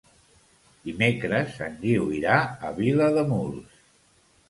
Dimecres en Guiu irà a Vilademuls.